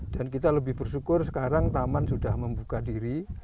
dan kita lebih bersyukur sekarang taman sudah membuka diri